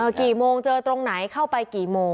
กี่โมงเจอตรงไหนเข้าไปกี่โมง